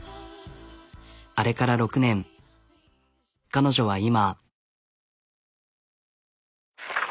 あれから６年彼女は今。